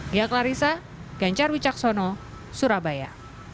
gaya klarisa ganjar wicaksono surabaya